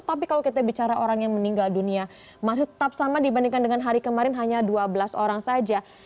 tapi kalau kita bicara orang yang meninggal dunia masih tetap sama dibandingkan dengan hari kemarin hanya dua belas orang saja